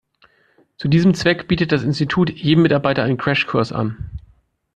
Zu diesem Zweck bietet das Institut jedem Mitarbeiter einen Crashkurs an.